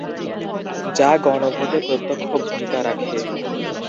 যা গণভোটে প্রত্যক্ষ ভুমিকা রাখে।